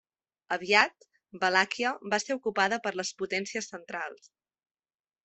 Aviat Valàquia va ser ocupada per les Potències Centrals.